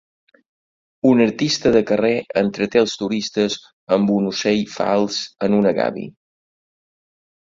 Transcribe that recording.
Un artista de carrer entreté els turistes amb un ocell fals en una gàbia.